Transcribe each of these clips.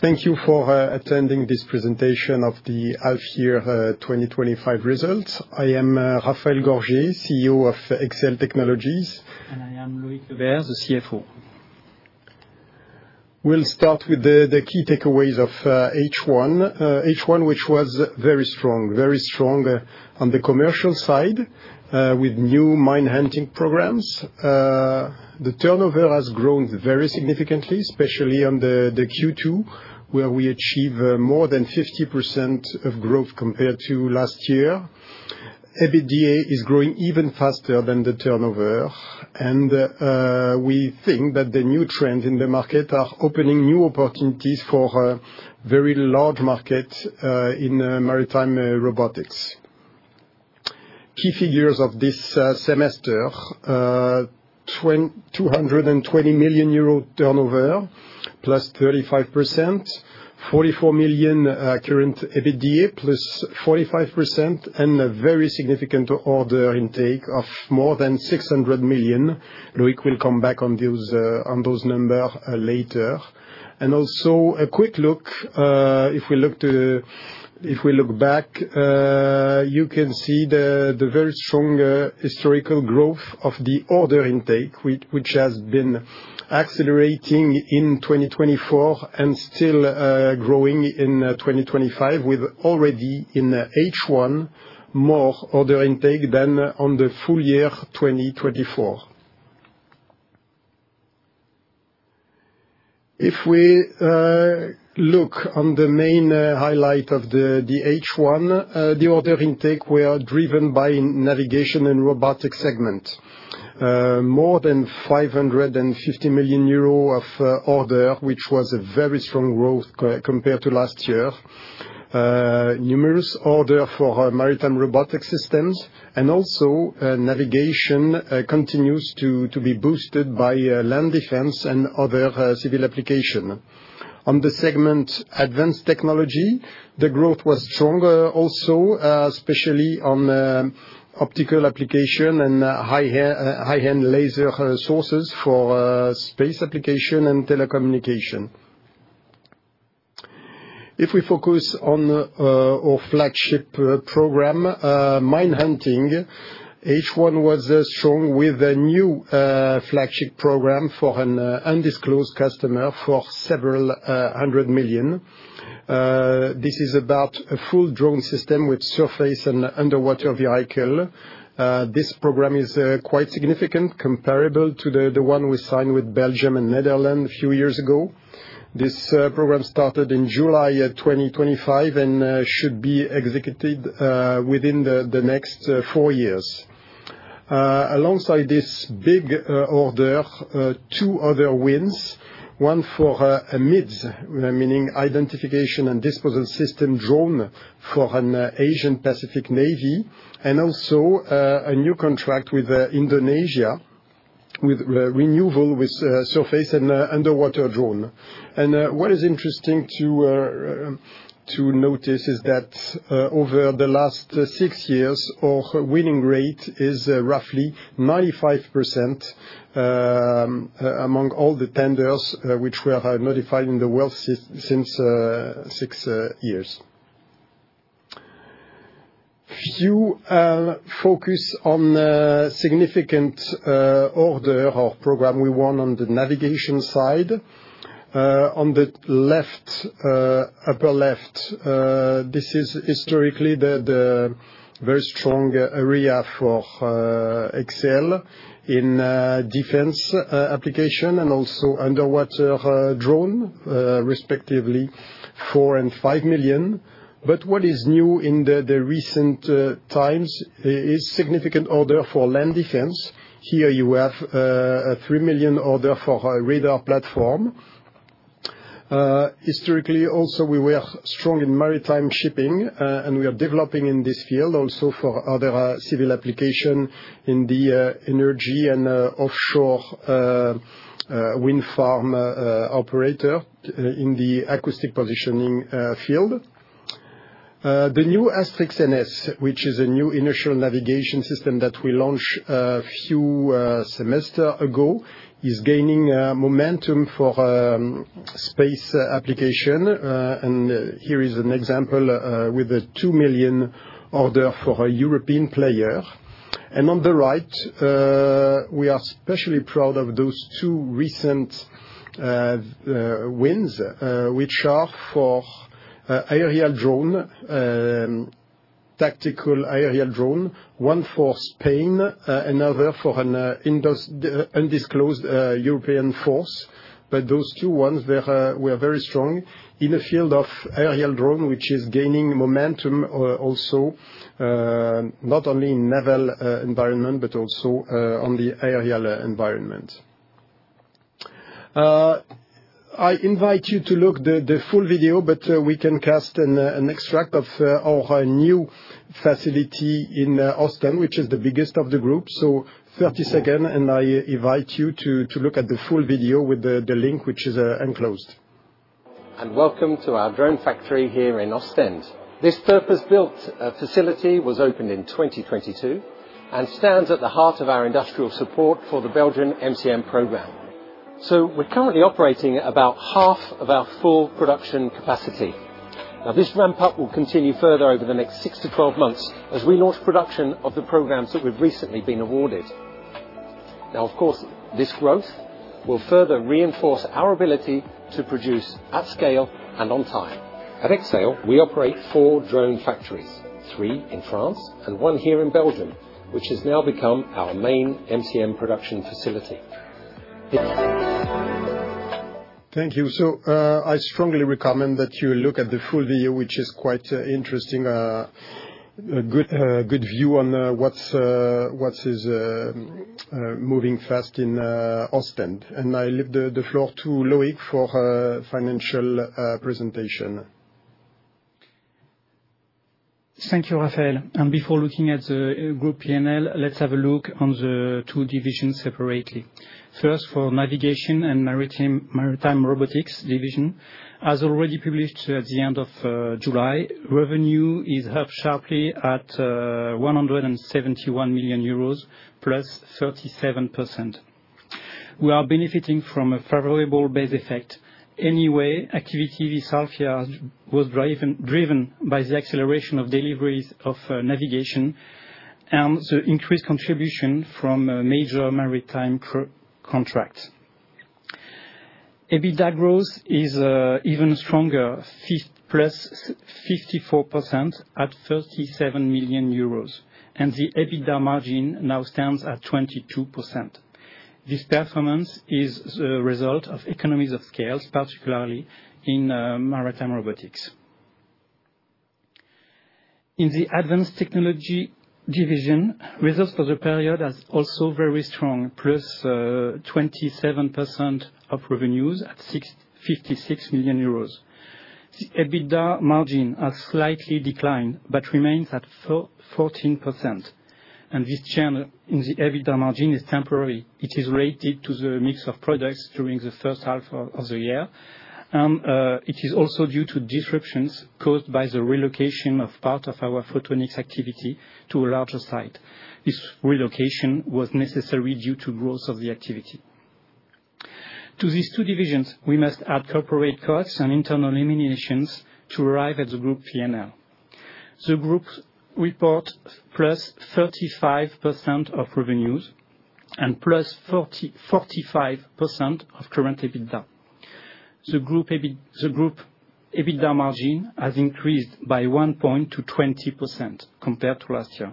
Thank you for attending this presentation of the Half-Year 2025 results. I am Raphaël Gorgé, CEO of Exail Technologies. I am Loïc Le Berre, the CFO. We'll start with the key takeaways of H1, which was very strong, very strong on the commercial side with new mine-hunting programs. The turnover has grown very significantly, especially on the Q2, where we achieved more than 50% of growth compared to last year. EBITDA is growing even faster than the turnover, and we think that the new trends in the market are opening new opportunities for very large markets in maritime robotics. Key figures of this semester: 220 million euro turnover, plus 35%; 44 million current EBITDA +45%; and a very significant order intake of more than 600 million. Loïc will come back on those numbers later. Also, a quick look: if we look back, you can see the very strong historical growth of the order intake, which has been accelerating in 2024 and still growing in 2025, with already in H1 more order intake than on the full year 2024. If we look on the main highlight of the H1, the order intake was driven by navigation and robotics segment. More than 550 million euro of orders, which was a very strong growth compared to last year. Numerous orders for maritime robotic systems and also navigation continued to be boosted by land Defense and other civil applications. On the segment advanced technology, the growth was stronger also, especially on optical applications and high-end laser sources for space applications and telecommunications. If we focus on our flagship program, mine-hunting, H1 was strong with a new flagship program for an undisclosed customer for several hundred million. This is about a full-drone system with surface and underwater vehicles. This program is quite significant, comparable to the one we signed with Belgium and the Netherlands a few years ago. This program started in July 2025 and should be executed within the next four years. Alongside this big order, two other wins: one for a MIDS, meaning Mine Identification and Disposal System drone, for an Asia-Pacific Navy, and also a new contract with Indonesia with renewal with surface and underwater drones. And what is interesting to notice is that over the last six years, our winning rate is roughly 95% among all the tenders which were notified in the world since six years. Few focus on significant orders or programs we won on the navigation side. On the left, upper left, this is historically the very strong area for Exail in Defense applications and also underwater drones, respectively, 4 and 5 million. What is new in the recent times is significant orders for Land Defense. Here you have a 3 million order for a radar platform. Historically, also, we were strong in maritime shipping, and we are developing in this field also for other civil applications in the energy and offshore wind farm operators in the acoustic positioning field. The new Astrix NS, which is a new inertial navigation system that we launched a few semesters ago, is gaining momentum for space applications. Here is an example with a 2 million order for a European player. On the right, we are especially proud of those two recent wins, which are for aerial drones, tactical aerial drones, one for Spain and another for an undisclosed European force. Those two ones were very strong in the field of aerial drones, which is gaining momentum also, not only in the naval environment but also in the aerial environment. I invite you to look at the full video, but we can cast an extract of our new facility in Ostend, which is the biggest of the group. 30 seconds, and I invite you to look at the full video with the link, which is enclosed. Welcome to our drone factory here in Ostend. This purpose-built facility was opened in 2022 and stands at the heart of our industrial support for the Belgian MCM program. We're currently operating at about half of our full production capacity. This ramp-up will continue further over the next six to 12 months as we launch production of the programs that we've recently been awarded. Of course, this growth will further reinforce our ability to produce at scale and on time. At Exail, we operate four drone factories, three in France and one here in Belgium, which has now become our main MCM production facility. Thank you. So, I strongly recommend that you look at the full video, which is quite interesting, a good view on what is moving fast in Ostend. And I leave the floor to Loïc for a financial presentation. Thank you, Raphaël. Before looking at the group P&L, let's have a look on the two divisions separately. First, for navigation and maritime robotics division, as already published at the end of July, revenue is up sharply at 171 million euros, +37%. We are benefiting from a favorable base effect. Anyway, activity with Alfie was driven by the acceleration of deliveries of navigation and the increased contribution from major maritime contracts. EBITDA growth is even stronger, plus 54% at 37 million euros, and the EBITDA margin now stands at 22%. This performance is the result of economies of scale, particularly in maritime robotics. In the advanced technology division, results for the period are also very strong, +27% of revenues at EUR 56 million. EBITDA margins have slightly declined but remain at 14%. This change in the EBITDA margin is temporary. It is related to the mix of products during the first half of the year, and it is also due to disruptions caused by the relocation of part of our photonics activity to a larger site. This relocation was necessary due to the growth of the activity. To these two divisions, we must add corporate costs and internal eliminations to arrive at the group P&L. The group reports plus 35% of revenues and plus 45% of current EBITDA. The group EBITDA margin has increased by 1 point to 20% compared to last year.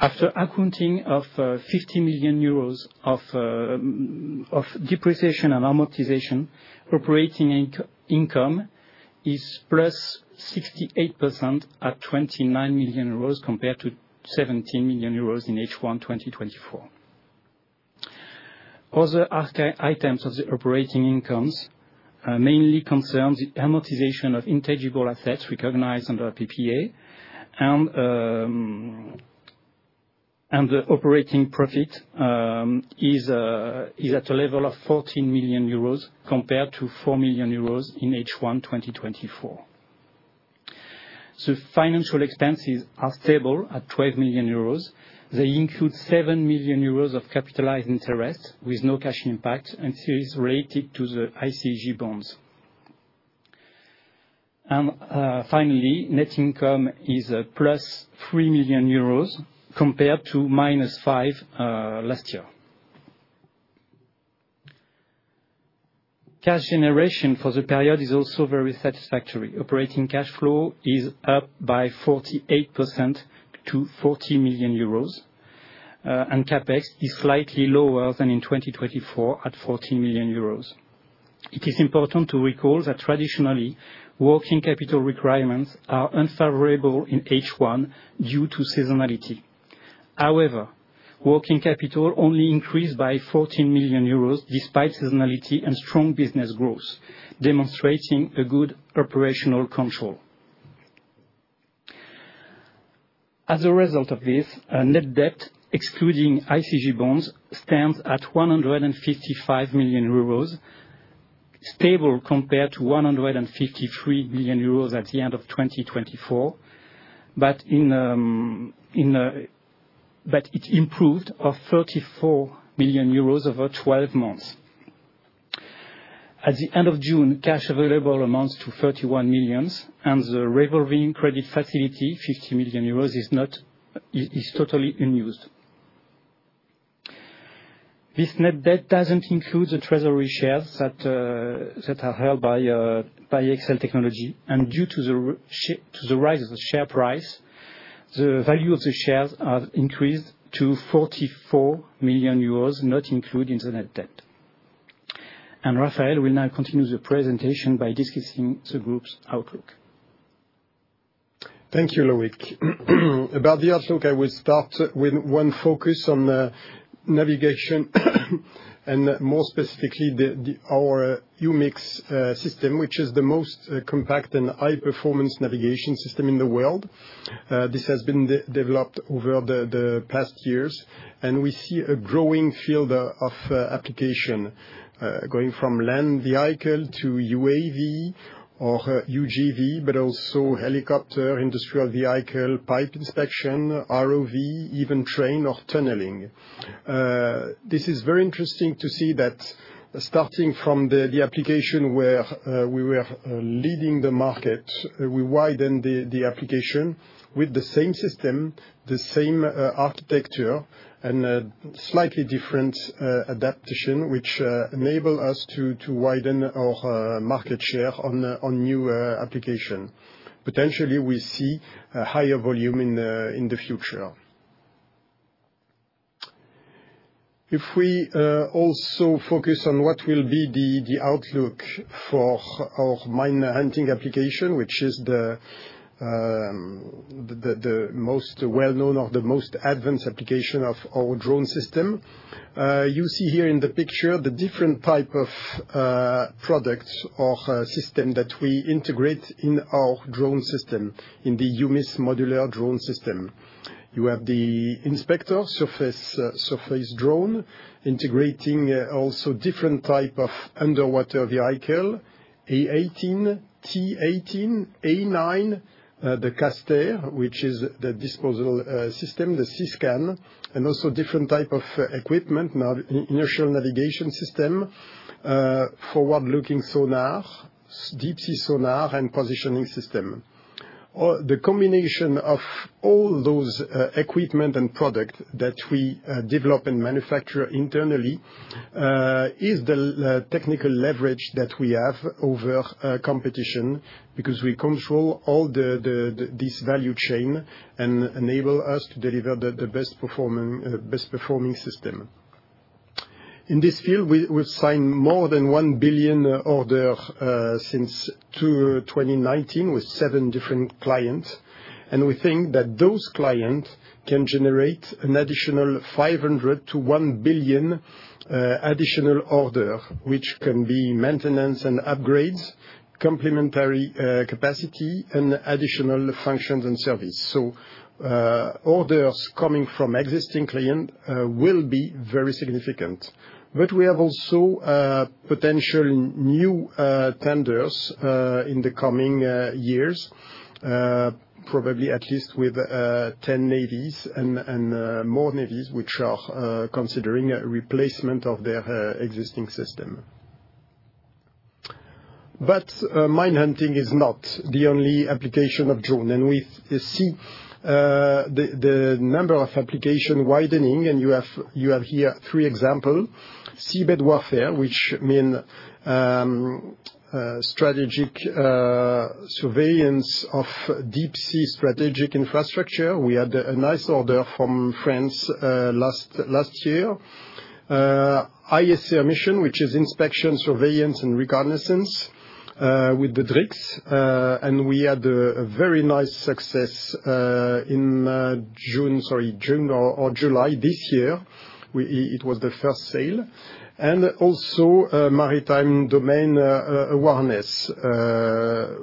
After accounting for 50 million euros of depreciation and amortization, operating income is plus 68% at 29 million euros compared to 17 million euros in H1 2024. Other items of the operating incomes mainly concern the amortization of intangible assets recognized under PPA, and the operating profit is at a level of 14 million euros compared to 4 million euros in H1 2024. The financial expenses are stable at 12 million euros. They include 7 million euros of capitalized interest with no cash impact, and this is related to the ICG bonds. And finally, net income is plus 3 million euros compared to minus 5 last year. Cash generation for the period is also very satisfactory. Operating cash flow is up by 48% to 40 million euros, and CapEx is slightly lower than in 2024 at 14 million euros. It is important to recall that traditionally, working capital requirements are unfavorable in H1 due to seasonality. However, working capital only increased by 14 million euros despite seasonality and strong business growth, demonstrating good operational control. As a result of this, net debt, excluding ICG bonds, stands at 155 million euros, stable compared to 153 million euros at the end of 2024, but it improved of 34 million euros over 12 months. At the end of June, cash available amounts to 31 million, and the revolving credit facility, 50 million euros, is totally unused. This net debt doesn't include the treasury shares that are held by Exail Technologies. And due to the rise of the share price, the value of the shares has increased to 44 million euros, not included in the net debt. And Raphaël will now continue the presentation by discussing the group's outlook. Thank you, Loïc. About the outlook, I will start with one focus on navigation and more specifically our UMIS system, which is the most compact and high-performance navigation system in the world. This has been developed over the past years, and we see a growing field of application going from land vehicle to UAV or UGV, but also helicopter, industrial vehicle, pipe inspection, ROV, even train or tunneling. This is very interesting to see that starting from the application where we were leading the market, we widened the application with the same system, the same architecture, and a slightly different adaptation, which enabled us to widen our market share on new applications. Potentially, we see a higher volume in the future. If we also focus on what will be the outlook for our mine-hunting application, which is the most well-known or the most advanced application of our drone system, you see here in the picture the different types of products or systems that we integrate in our drone system, in the UMIS modular drone system. You have the Inspector surface drone integrating also different types of underwater vehicles: A18, T18, A9, the K-STER, which is the disposal system, the Seascan, and also different types of equipment, inertial navigation system, forward-looking sonar, deep-sea sonar, and positioning system. The combination of all those equipment and products that we develop and manufacture internally is the technical leverage that we have over competition because we control all this value chain and enable us to deliver the best-performing system. In this field, we've signed more than 1 billion orders since 2019 with seven different clients, and we think that those clients can generate an additional 500 to 1 billion additional orders, which can be maintenance and upgrades, complementary capacity, and additional functions and services, so orders coming from existing clients will be very significant, but we have also potential new tenders in the coming years, probably at least with 10 navies and more navies which are considering replacement of their existing system, but mine-hunting is not the only application of drones, and we see the number of applications widening, and you have here three examples: Seabed Warfare, which means strategic surveillance of deep-sea strategic infrastructure. We had a nice order from France last year. ISR mission, which is Intelligence, Surveillance, and Reconnaissance with the DriX, and we had a very nice success in June, sorry, June or July this year. It was the first sale. And also, maritime domain awareness.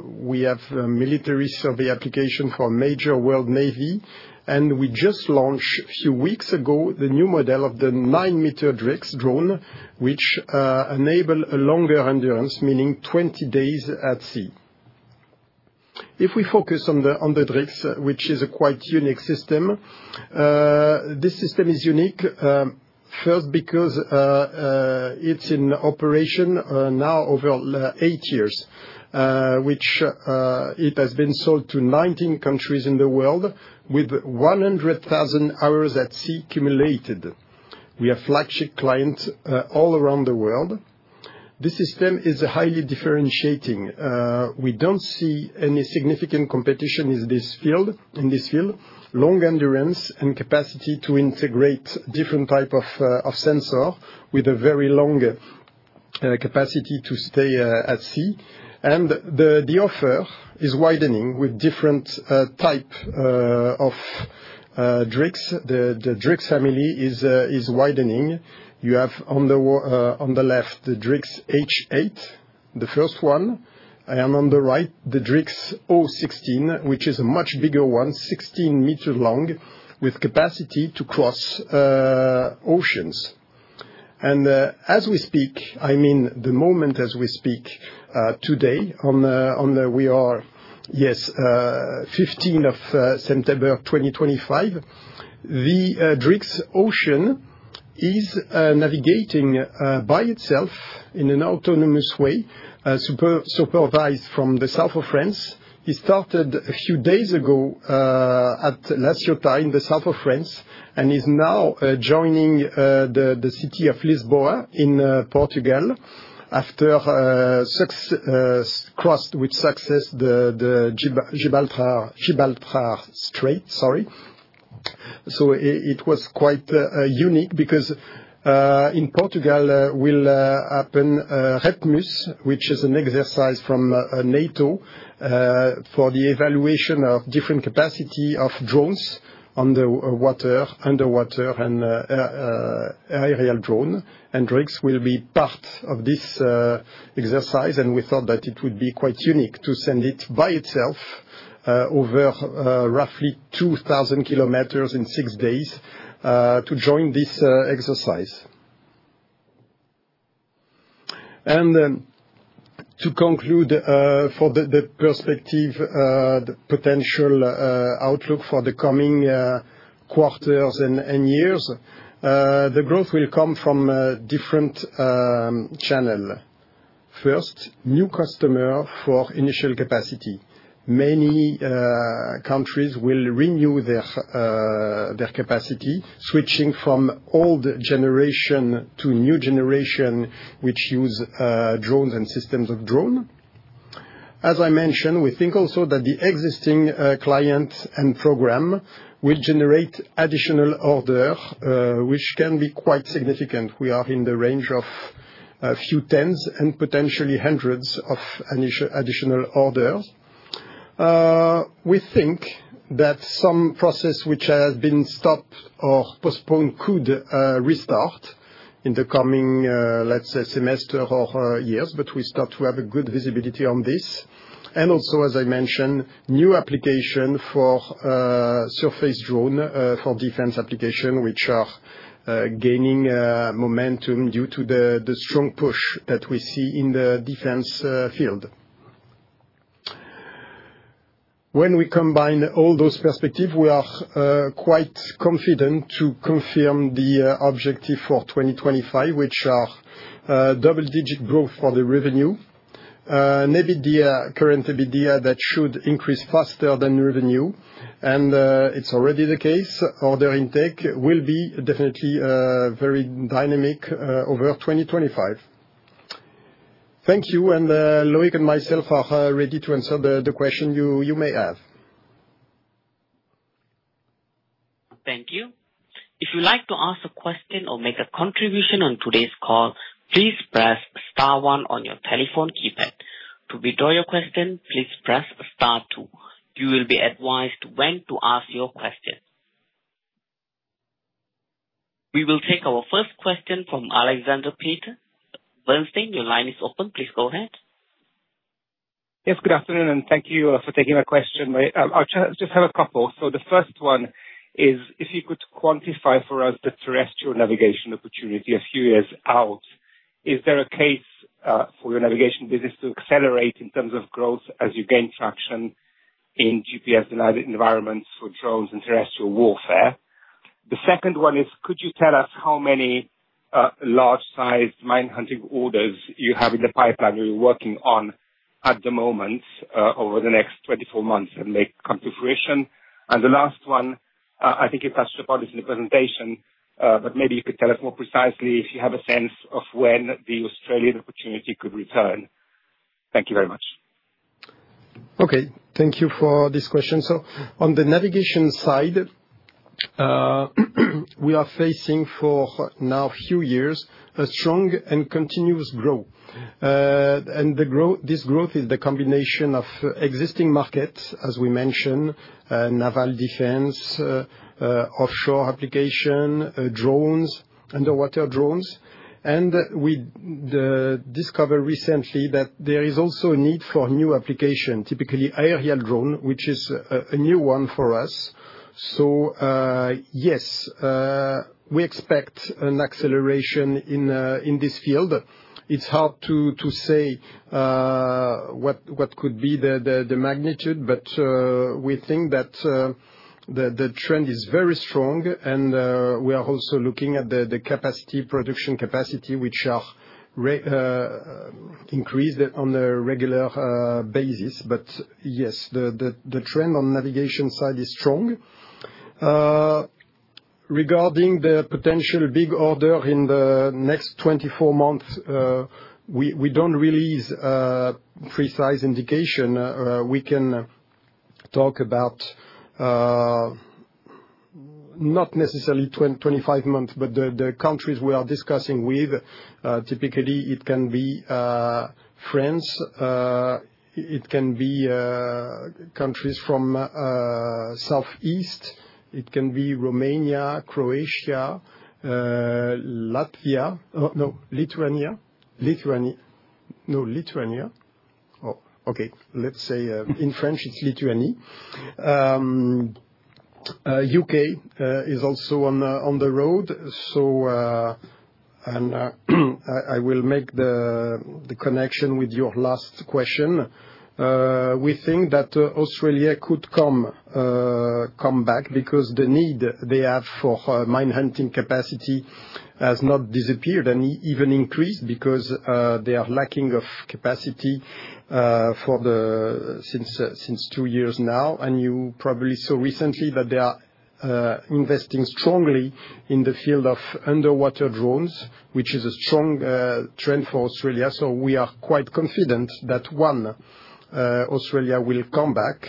We have military survey applications for major world navy, and we just launched a few weeks ago the new model of the nine-meter DriX drone, which enables a longer endurance, meaning 20 days at sea. If we focus on the DriX, which is a quite unique system, this system is unique first because it's in operation now over eight years, which it has been sold to 19 countries in the world with 100,000 hours at sea cumulated. We have flagship clients all around the world. This system is highly differentiating. We don't see any significant competition in this field. Long endurance and capacity to integrate different types of sensors with a very long capacity to stay at sea. The offer is widening with different types of DriX. The DriX family is widening. You have on the left the DriX H-8, the first one, and on the right the DriX O-16, which is a much bigger one, 16 meters long, with capacity to cross oceans. As we speak, I mean the moment as we speak today, we are, yes, 15 of September 2025. The DriX Ocean is navigating by itself in an autonomous way, supervised from the south of France. It started a few days ago at La Ciotat in the south of France and is now joining the city of Lisbon in Portugal after crossed with success the Gibraltar Strait. Sorry. It was quite unique because in Portugal will happen REPMUS, which is an exercise from NATO for the evaluation of different capacities of drones underwater, and aerial drone, and DriX will be part of this exercise. We thought that it would be quite unique to send it by itself over roughly 2,000 km in six days to join this exercise. To conclude for the perspective, the potential outlook for the coming quarters and years, the growth will come from different channels. First, new customers for initial capacity. Many countries will renew their capacity, switching from old generation to new generation, which use drones and systems of drones. As I mentioned, we think also that the existing clients and programs will generate additional orders, which can be quite significant. We are in the range of a few tens and potentially hundreds of additional orders. We think that some processes which have been stopped or postponed could restart in the coming, let's say, semester or years, but we start to have a good visibility on this. And also, as I mentioned, new applications for surface drones for Defense applications, which are gaining momentum due to the strong push that we see in the Defense field. When we combine all those perspectives, we are quite confident to confirm the objectives for 2025, which are double-digit growth for the revenue, current EBITDA that should increase faster than revenue. And it's already the case. Order intake will be definitely very dynamic over 2025. Thank you. And Loïc and myself are ready to answer the questions you may have. Thank you. If you'd like to ask a question or make a contribution on today's call, please press star one on your telephone keypad. To withdraw your question, please press star two. You will be advised when to ask your question. We will take our first question from Alexander Peterc. Bernstein, your line is open. Please go ahead. Yes, good afternoon, and thank you for taking my question. I'll just have a couple. So, the first one is, if you could quantify for us the terrestrial navigation opportunity a few years out, is there a case for your navigation business to accelerate in terms of growth as you gain traction in GPS-denied environments for drones and terrestrial warfare? The second one is, could you tell us how many large-sized mine-hunting orders you have in the pipeline you're working on at the moment over the next 24 months that may come to fruition? And the last one, I think you touched upon this in the presentation, but maybe you could tell us more precisely if you have a sense of when the Australian opportunity could return. Thank you very much. Okay. Thank you for this question. So, on the navigation side, we are facing for now a few years a strong and continuous growth, and this growth is the combination of existing markets, as we mentioned, Naval Defense, offshore application, drones, underwater drones, and we discovered recently that there is also a need for new applications, typically aerial drones, which is a new one for us, so yes, we expect an acceleration in this field. It's hard to say what could be the magnitude, but we think that the trend is very strong, and we are also looking at the production capacity, which are increased on a regular basis, but yes, the trend on the navigation side is strong. Regarding the potential big order in the next 24 months, we don't release a precise indication. We can talk about not necessarily 25 months, but the countries we are discussing with. Typically it can be France, it can be countries from the southeast, it can be Romania, Croatia, Latvia, no, Lithuania. No, Lithuania. Okay. Let's say in French, it's Lithuania. U.K. is also on the road. So, and I will make the connection with your last question. We think that Australia could come back because the need they have for mine-hunting capacity has not disappeared and even increased because they are lacking capacity since two years now. And you probably saw recently that they are investing strongly in the field of underwater drones, which is a strong trend for Australia. So, we are quite confident that, one, Australia will come back,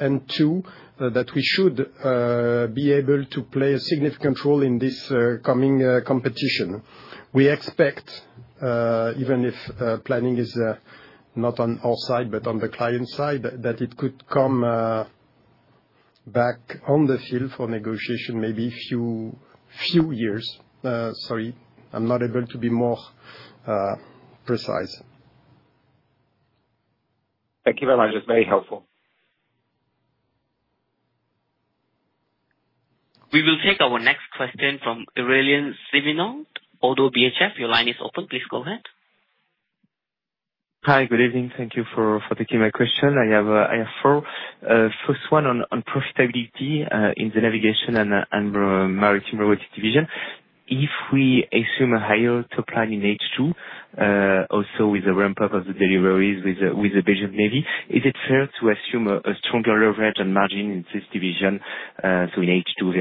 and two, that we should be able to play a significant role in this coming competition. We expect, even if planning is not on our side but on the client's side, that it could come back on the field for negotiation maybe a few years. Sorry, I'm not able to be more precise. Thank you very much. That's very helpful. We will take our next question from Aurélien Sivignon, Oddo BHF. Your line is open. Please go ahead. Hi, good evening. Thank you for taking my question. I have four. First one on profitability in the navigation and maritime robotics division. If we assume a higher top line in H2, also with the ramp-up of the deliveries with the Belgian Navy, is it fair to assume a stronger leverage and margin in this division, so in H2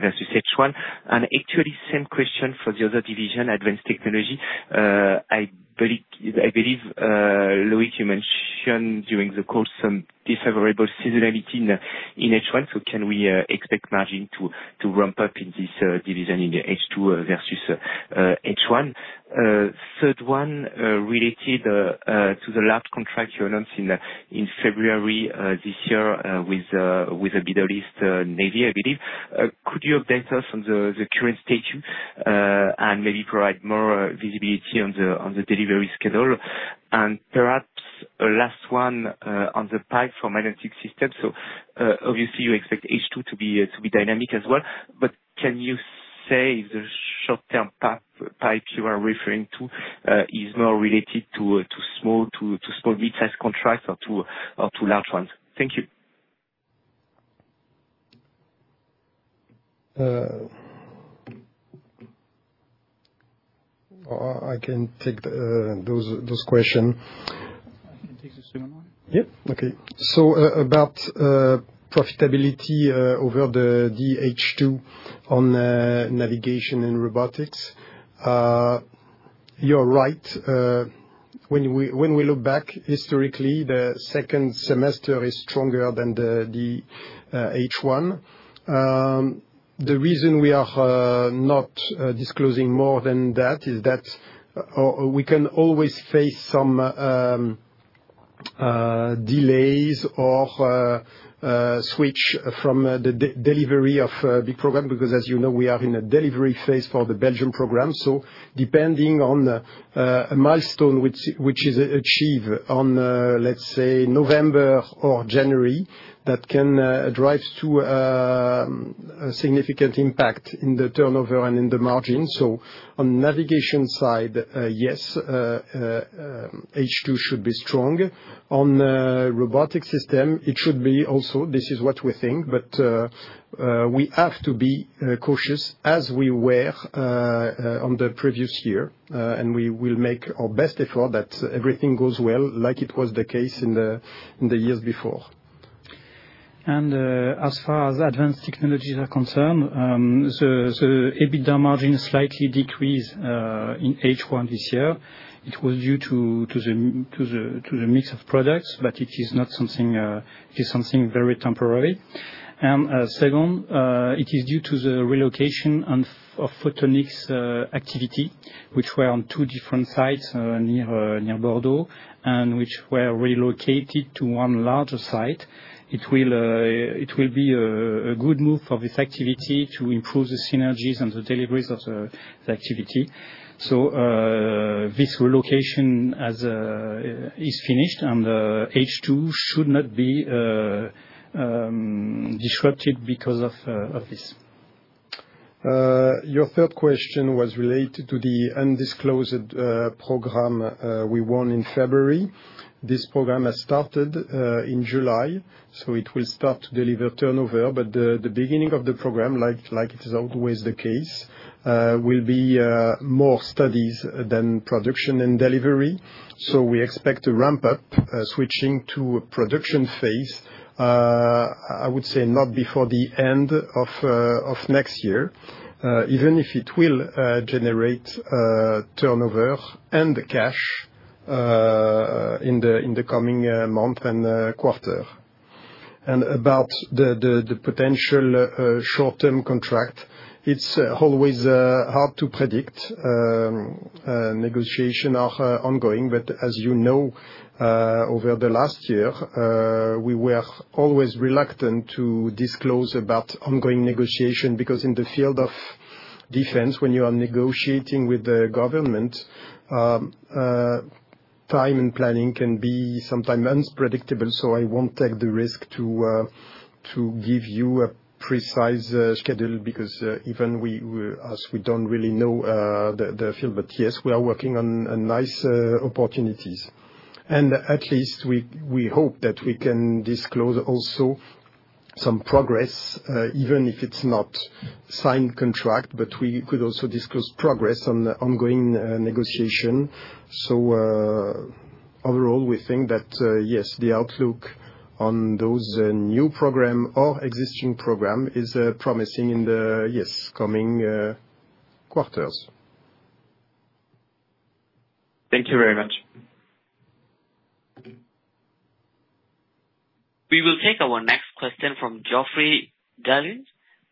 versus H1? And actually, same question for the other division, advanced technology. I believe Loïc, you mentioned during the call some unfavorable seasonality in H1. So, can we expect margin to ramp up in this division in H2 versus H1? Third one, related to the large contract you announced in February this year with the Middle East Navy, I believe. Could you update us on the current status and maybe provide more visibility on the delivery schedule? And perhaps a last one on the pipeline for magnetic systems. So, obviously, you expect H2 to be dynamic as well. But can you say if the short-term pipe you are referring to is more related to small, mid-sized contracts or to large ones? Thank you. I can take those questions. I can take the second one. Yep. Okay. So, about profitability over the H2 on navigation and robotics. You're right. When we look back historically, the second semester is stronger than the H1. The reason we are not disclosing more than that is that we can always face some delays or switch from the delivery of big programs because, as you know, we are in a delivery phase for the Belgian program. So, depending on a milestone which is achieved on, let's say, November or January, that can drive to a significant impact in the turnover and in the margin. So, on the navigation side, yes, H2 should be strong. On robotic systems, it should be also, this is what we think, but we have to be cautious as we were on the previous year, and we will make our best effort that everything goes well like it was the case in the years before. As far as advanced technologies are concerned, the EBITDA margin slightly decreased in H1 this year. It was due to the mix of products, but it is not something very temporary. Second, it is due to the relocation of photonics activity, which were on two different sites near Bordeaux and which were relocated to one larger site. It will be a good move for this activity to improve the synergies and the deliveries of the activity. This relocation is finished, and H2 should not be disrupted because of this. Your third question was related to the undisclosed program we won in February. This program has started in July. So, it will start to deliver turnover. But the beginning of the program, like it is always the case, will be more studies than production and delivery. So, we expect a ramp-up, switching to a production phase, I would say not before the end of next year, even if it will generate turnover and cash in the coming month and quarter. And about the potential short-term contract, it's always hard to predict. Negotiations are ongoing. But as you know, over the last year, we were always reluctant to disclose about ongoing negotiations because in the field of Defense, when you are negotiating with the government, time and planning can be sometimes unpredictable. So, I won't take the risk to give you a precise schedule because even we don't really know the field. But yes, we are working on nice opportunities. And at least we hope that we can disclose also some progress, even if it's not a signed contract, but we could also disclose progress on ongoing negotiations. So, overall, we think that, yes, the outlook on those new programs or existing programs is promising in the, yes, coming quarters. Thank you very much. We will take our next question from Geoffrey Dailey,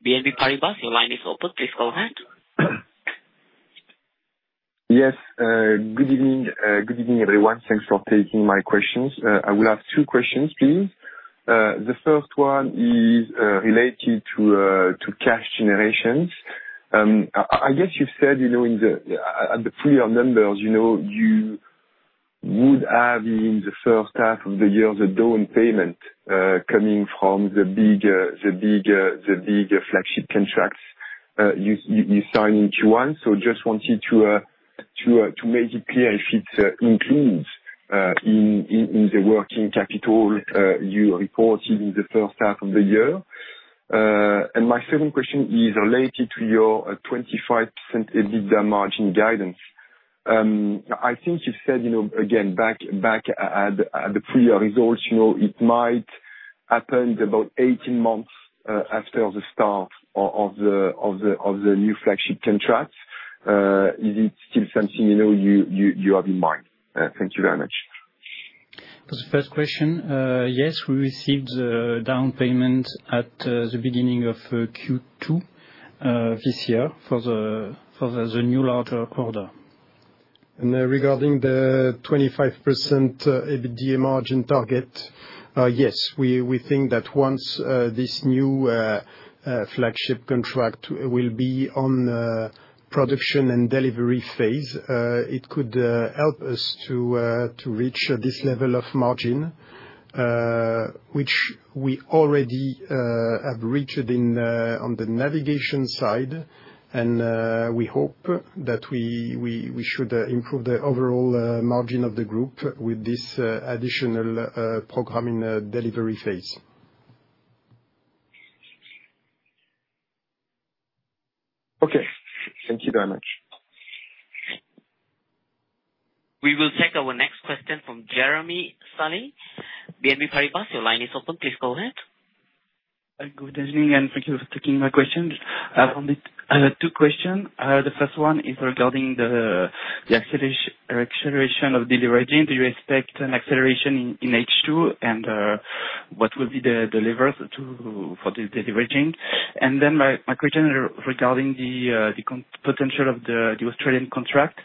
BNP Paribas. Your line is open. Please go ahead. Yes. Good evening, everyone. Thanks for taking my questions. I will ask two questions, please. The first one is related to cash generation. I guess you've said in the previous numbers, you would have in the first half of the year the down payment coming from the big flagship contracts you signed in 2021. So, just wanted to make it clear if it includes in the working capital you reported in the first half of the year. And my second question is related to your 25% EBITDA margin guidance. I think you've said, again, back at the previous results, it might happen about 18 months after the start of the new flagship contracts. Is it still something you have in mind? Thank you very much. For the first question, yes, we received the down payment at the beginning of Q2 this year for the new larger order. Regarding the 25% EBITDA margin target, yes, we think that once this new flagship contract will be on production and delivery phase, it could help us to reach this level of margin, which we already have reached on the navigation side. We hope that we should improve the overall margin of the group with this additional program in the delivery phase. Okay. Thank you very much. We will take our next question from Jérémy Sallée, BNP Paribas. Your line is open. Please go ahead. Good evening, and thank you for taking my question. I have two questions. The first one is regarding the acceleration of deleveraging. Do you expect an acceleration in H2, and what will be the levers for the deleveraging? And then my question regarding the potential of the Australian contract.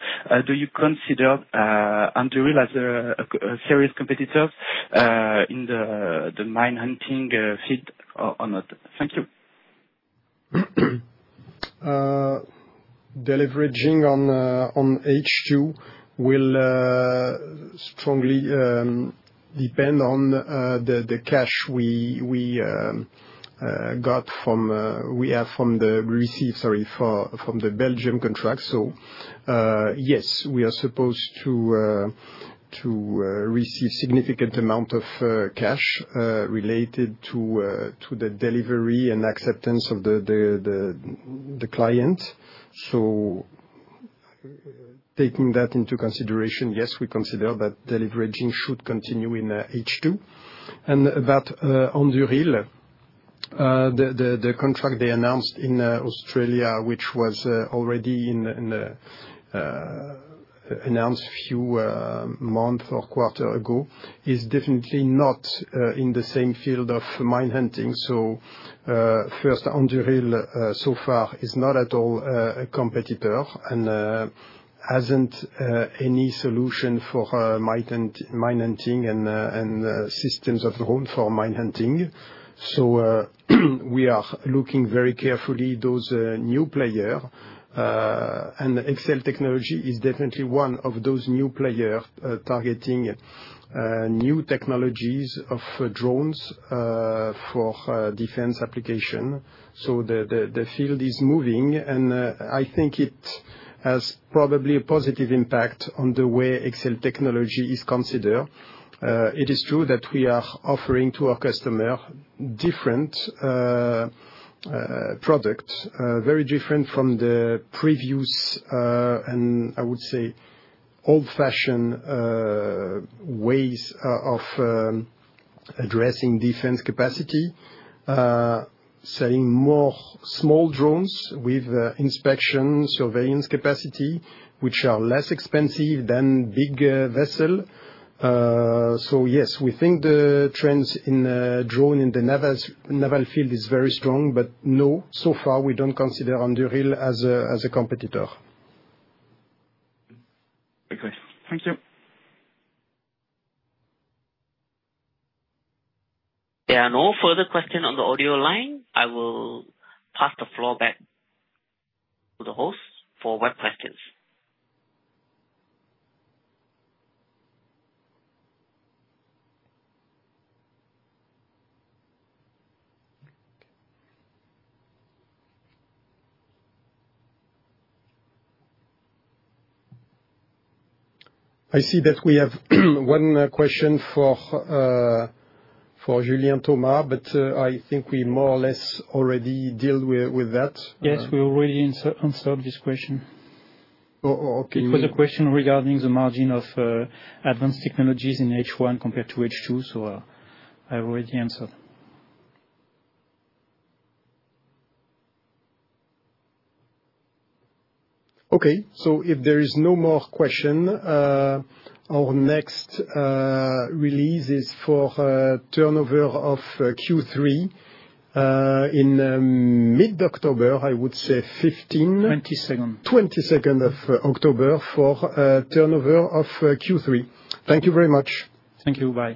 Do you consider Anduril as a serious competitor in the mine-hunting field or not? Thank you. Deleveraging on H2 will strongly depend on the cash we have from the receipt, sorry, from the Belgian contract. So, yes, we are supposed to receive a significant amount of cash related to the delivery and acceptance of the client. So, taking that into consideration, yes, we consider that deleveraging should continue in H2. And about Anduril, the contract they announced in Australia, which was already announced a few months or quarter ago, is definitely not in the same field of mine-hunting. So, first, Anduril so far is not at all a competitor and hasn't any solution for mine-hunting and systems of drone for mine-hunting. So, we are looking very carefully at those new players. And Exail Technologies is definitely one of those new players targeting new technologies of drones for Defense application. The field is moving, and I think it has probably a positive impact on the way Exail Technologies is considered. It is true that we are offering to our customers different products, very different from the previous and, I would say, old-fashioned ways of addressing Defense capacity, selling more small drones with inspection surveillance capacity, which are less expensive than big vessels. Yes, we think the trends in drone in the naval field is very strong. No, so far, we don't consider Anduril as a competitor. Okay. Thank you. There are no further questions on the audio line. I will pass the floor back to the host for web questions. I see that we have one question for Julien Thomas, but I think we more or less already dealt with that. Yes, we already answered this question. Okay. It was a question regarding the margin of advanced technologies in H1 compared to H2. I already answered. Okay. So, if there is no more question, our next release is for turnover of Q3 in mid-October. I would say 15. 22nd. 22nd of October for turnover of Q3. Thank you very much. Thank you. Bye.